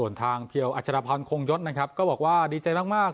นะครับก็บอกว่าดีใจมาก